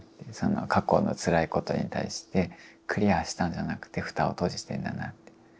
過去のつらいことに対してクリアしたんじゃなくて蓋を閉じてんだなって。